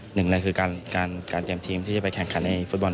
หนึ่งเลยคือการเตรียมทีมที่จะไปแข่งขันในฟุตบอล